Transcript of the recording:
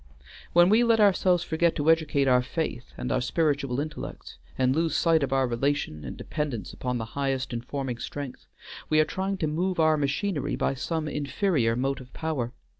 When we let ourselves forget to educate our faith and our spiritual intellects, and lose sight of our relation and dependence upon the highest informing strength, we are trying to move our machinery by some inferior motive power.